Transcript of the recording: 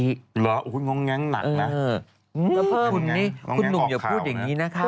เหรอคุณง้องแง้งหนักนะแล้วพวกคุณนี่คุณหนุ่มอย่าพูดอย่างนี้นะคะ